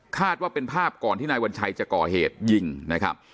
ว่าเป็นภาพก่อนที่นายวัญชัยจะก่อเหตุยิงนะครับ